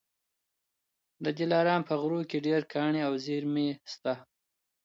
د دلارام په غرو کي ډېر کاڼي او زېرمې سته.